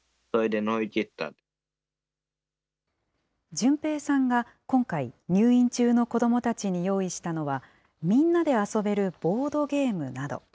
潤平さんが今回、入院中の子どもたちに用意したのは、みんなで遊べるボードゲームなど。